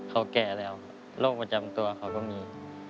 เขาแก่แล้วโรคประจำตัวเขาก็มี